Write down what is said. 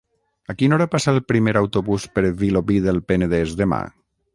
A quina hora passa el primer autobús per Vilobí del Penedès demà?